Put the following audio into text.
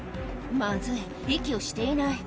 まずい、息をしていない。